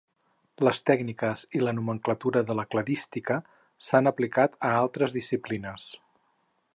Les tècniques i la nomenclatura de la cladística s'han aplicat a altres disciplines.